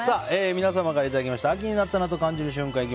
皆様からいただいた秋になったなぁと感じる瞬間。